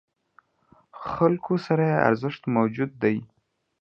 خلکو سره یې ارزښت موجود دی.